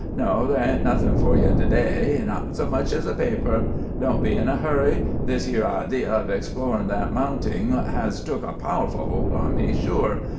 No, there ain't nothin' for ye to day not so much as a paper. Don't be in a hurry. This here idee of explorin' that mounting has took a powerful hold on me, sure.